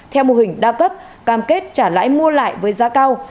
theo mô hình đa cấp cam kết trả lãi mua lại với giá cao